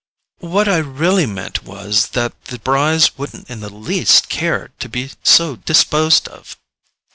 "What I really meant was, that the Brys wouldn't in the least care to be so disposed of."